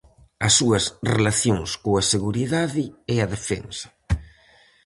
As súas relacións coa seguridade e a defensa.